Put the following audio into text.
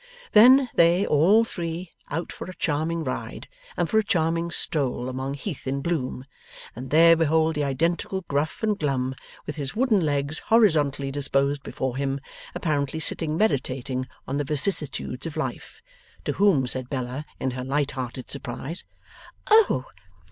Then they, all three, out for a charming ride, and for a charming stroll among heath in bloom, and there behold the identical Gruff and Glum with his wooden legs horizontally disposed before him, apparently sitting meditating on the vicissitudes of life! To whom said Bella, in her light hearted surprise: 'Oh!